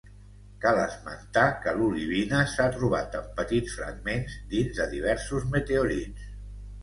Cal esmentar que l'olivina s'ha trobat en petits fragments dins de diversos meteorits.